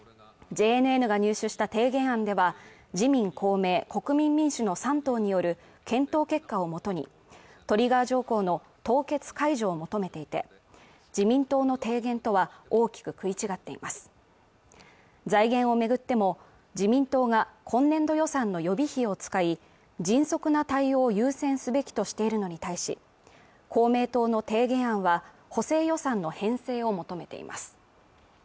ＪＮＮが入手した提言案では自民、公明国民民主の３党による検討結果をもとにトリガー条項の凍結解除を求めていて自民党の提言とは大きく食い違っています財源をめぐっても自民党が今年度予算の予備費を使い迅速な対応を優先すべきとしているのに対し公明党の提言案は補正予算の編成を求めています